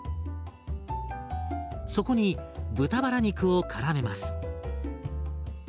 そこに豚バラ肉をからめます。